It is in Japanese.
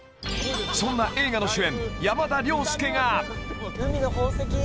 そんな映画の主演・山田涼介が！